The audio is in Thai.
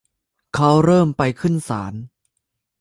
เขาเริ่มไปขึ้นศาล